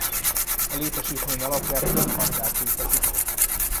A létesítmény alapját két hangár képezi.